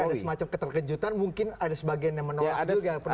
jadi ada semacam keterkejutan mungkin ada sebagian yang menolak juga ya penolakan ya